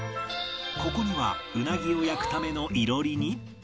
ここにはウナギを焼くための囲炉裏に